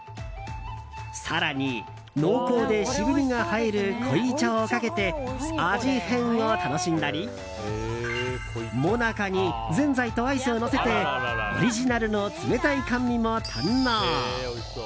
更に、濃厚で渋みが映える濃茶をかけて味変を楽しんだりもなかにぜんざいとアイスをのせてオリジナルの冷たい甘味も堪能。